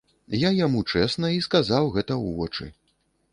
Я яму чэсна і сказаў гэта ў вочы.